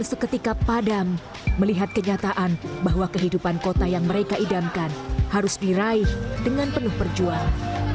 dan seketika padam melihat kenyataan bahwa kehidupan kota yang mereka idamkan harus diraih dengan penuh perjualan